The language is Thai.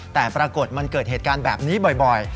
แต่ปรากฏมันเกิดเหตุการณ์แบบนี้บ่อย